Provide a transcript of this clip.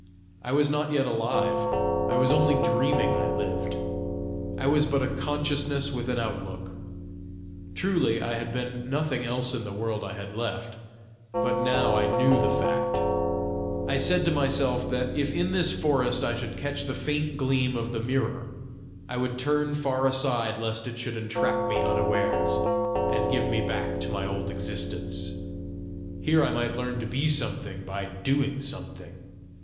I was not yet alive; I was only dreaming I lived! I was but a consciousness with an outlook! Truly I had been nothing else in the world I had left, but now I knew the fact! I said to myself that if in this forest I should catch the faint gleam of the mirror, I would turn far aside lest it should entrap me unawares, and give me back to my old existence: here I might learn to be something by doing something!